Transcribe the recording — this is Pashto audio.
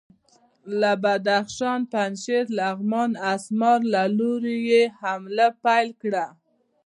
له بدخشان، پنجشیر، لغمان او اسمار له لوري یې حمله پیل کړه.